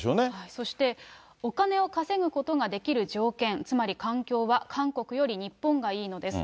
そして、お金を稼ぐことができる条件、つまり環境は韓国より日本がいいのです。